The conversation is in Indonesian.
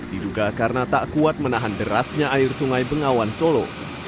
diduga karena tak kuat menahan derasnya air sungai bengawan solo